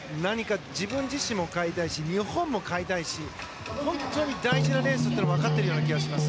自分自身も変えたいし日本も変えたいし本当に大事なレースだと分かっているような気がします。